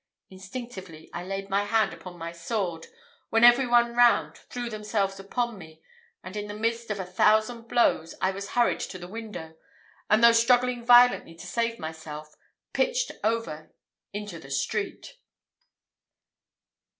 Instinctively I laid my hand upon my sword, when every one round threw themselves upon me, and in the midst of a thousand blows, I was hurried to the window, and though struggling violently to save myself, pitched over into the street.